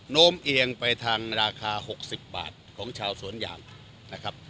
โน้มเอียงไปทางราคา๖๐บาทของชาวสวนยางนะครับ